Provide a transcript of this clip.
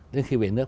nhưng khi về nước